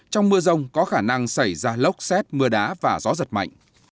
trong mưa rông có khả năng xảy ra lốc xét mưa đá và gió giật mạnh